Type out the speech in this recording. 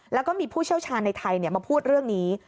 แล้วก็มีผู้เชี่ยวชาญในไทยมาพูดเรื่องนี้